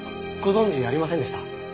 ご存じありませんでした？